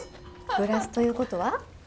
グラスということは？